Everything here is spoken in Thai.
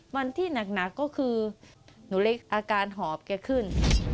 วันที่หนักก็คือหนูเล็กอาการหอบแกขึ้น